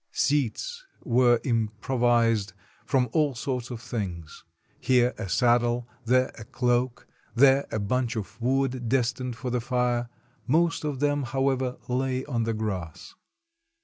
Seats were improvised from all sorts of things ; here a saddle, there a cloak, there a bunch of wood destined for the fire; most of them, however, lay on the grass.